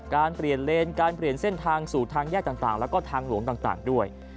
เปลี่ยนเลนการเปลี่ยนเส้นทางสู่ทางแยกต่างแล้วก็ทางหลวงต่างด้วย